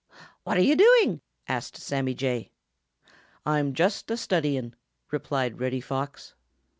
"What are you doing?" asked Sammy Jay. "I'm just a studying," replied Reddy Fox.